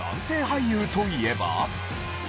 俳優といえば？